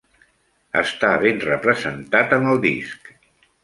Està ben representat en el disc.